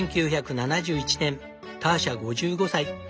１９７１年ターシャ５５歳。